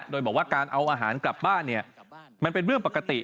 โดยบอกว่าการเอาอาหารกลับบ้านเนี่ยมันเป็นเรื่องปกติ